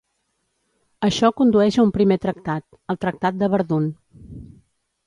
Això condueix a un primer tractat, el Tractat de Verdun.